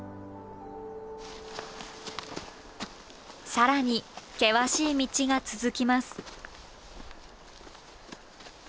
更に険しい道が続きます。